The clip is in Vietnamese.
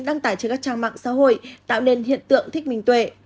đăng tải trên các trang mạng xã hội tạo nên hiện tượng thích minh tuệ